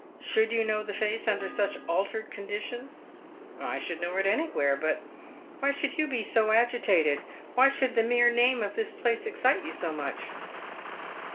Should you know the face under such altered conditions ?"" I should know it anywhere. But why should you be so agitated ? "Why should the mere name of this place ex:cite you so much